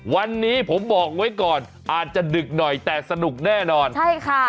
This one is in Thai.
วันนี้ผมบอกไว้ก่อนอาจจะดึกหน่อยแต่สนุกแน่นอนใช่ค่ะ